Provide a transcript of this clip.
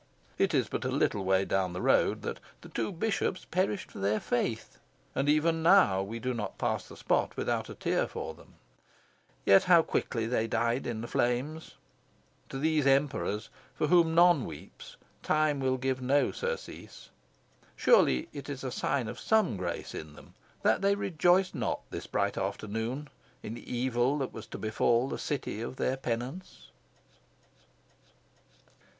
It is but a little way down the road that the two Bishops perished for their faith, and even now we do never pass the spot without a tear for them. Yet how quickly they died in the flames! To these Emperors, for whom none weeps, time will give no surcease. Surely, it is sign of some grace in them that they rejoiced not, this bright afternoon, in the evil that was to befall the city of their penance.